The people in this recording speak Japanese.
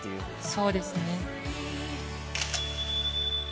そうですね。